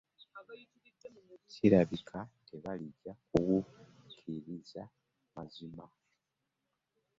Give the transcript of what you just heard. Kirabika tebajja kuwukiriza mazima.